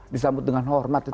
disambut dengan hormat itu